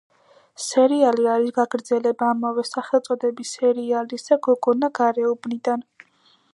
სერიალი არის გაგრძელება ამავე სახელწოდების სერიალისა გოგონა გარეუბნიდან.